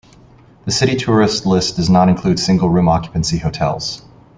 The city tourist list does not include single room occupancy hotels.